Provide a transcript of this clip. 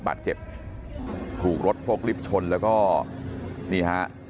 บาดเจ็บถูกรถโฟกลิฟท์ชนแล้วก็นี่ฮะ